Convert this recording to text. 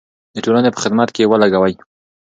د ټولنې په خدمت کې یې ولګوئ.